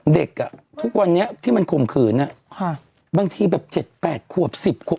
เด็กทุกวันนี้ที่มันข่มขืนบางทีแบบ๗๘ขวบ๑๐ขวบ